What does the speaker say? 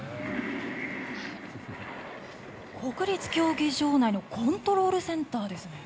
国立競技場内のコントロールセンターですね。